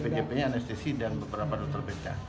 pak dpjp anestesi dan beberapa dokter benca